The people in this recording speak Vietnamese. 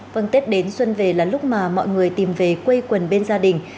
vâng tết đến xuân về là lúc mà mọi người tìm về quê quần bên gia đình